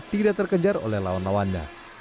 tidak terkejar oleh lawan lawannya